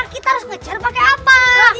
kita harus ngejar pakai apa